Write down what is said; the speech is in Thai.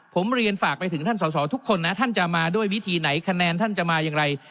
ผมเรียนฝากไปถึงท่านสอสอทุกคนนะท่านจะมาด้วยวิธีไหนคะแนนท่านจะมาอย่างไร